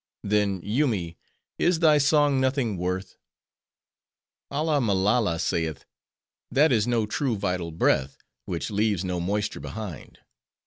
Then, Yoomy, is thy song nothing worth. Alla Mollolla saith, 'That is no true, vital breath, which leaves no moisture behind.